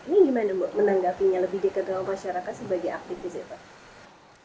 ini gimana mbak menanggapinya lebih dekat dengan masyarakat sebagai aktivis ya pak